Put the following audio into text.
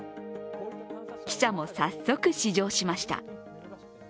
記者も早速、試乗しました。